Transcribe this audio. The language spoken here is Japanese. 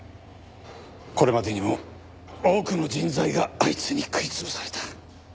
これまでにも多くの人材があいつに食い潰された。